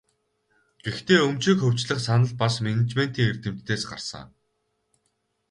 Гэхдээ өмчийг хувьчлах санал бас менежментийн эрдэмтдээс гарсан.